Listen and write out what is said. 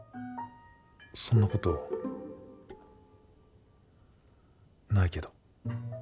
そんなことないけど。